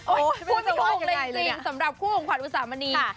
โอ๊ยผู้ไม่คงเล่นกลิ่นสำหรับผู้หงขวัญอุสามณี